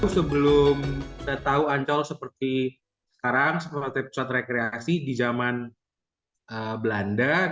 sebelum kita tahu ancol seperti sekarang seperti pusat rekreasi di zaman belanda